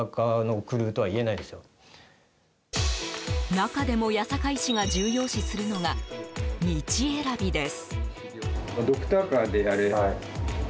中でも八坂医師が重要視するのが道選びです。